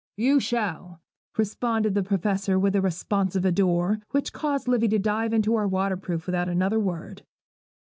'You shall!' responded the Professor with a responsive ardour, which caused Livy to dive into her waterproof without another word.